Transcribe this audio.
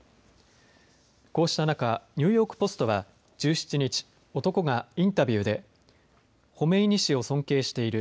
こうした中、ニューヨーク・ポストは１７日、男がインタビューでホメイニ師を尊敬している。